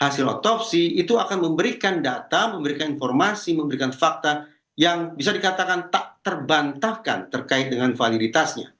hasil otopsi itu akan memberikan data memberikan informasi memberikan fakta yang bisa dikatakan tak terbantahkan terkait dengan validitasnya